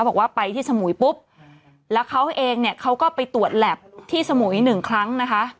บอกว่าไปที่สมุยปุ๊บแล้วเขาเองเนี่ยเขาก็ไปตรวจแล็บที่สมุยหนึ่งครั้งนะคะ